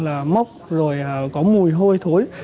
là mốc rồi có mùi hôi thối